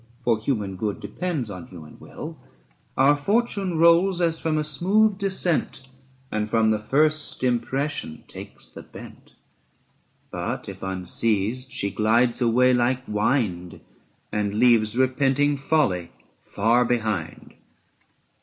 95 (For human good depends on human will,) 355 Our fortune rolls as from a smooth descent And from the first impression takes the bent; But, if unseized, she glides away like wind And leaves repenting folly far behind.